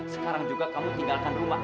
sekarang juga kamu tinggalkan rumah